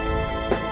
aku gak mau